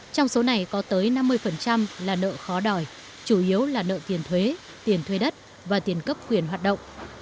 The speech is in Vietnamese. trong số này có tới năm mươi là nợ khó đòi chủ yếu là nợ tiền thuế tiền thuê đất và tiền cấp quyền hoạt động